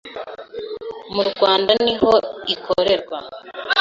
mu Rwanda niho ikorerwa